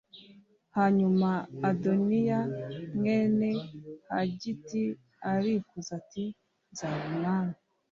Hanyuma Adoniya mwene Hagiti arikuza ati “Nzaba umwami.”